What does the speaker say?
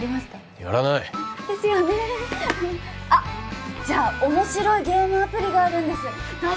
やらないですよねあっじゃあ面白いゲームアプリがあるんです脱出